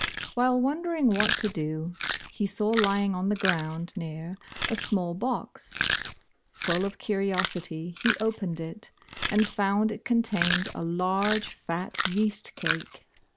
While wondering what to do, he saw lying on the ground near, a small box. Full of curiosity he opened it and found it contained a large fat yeast cake.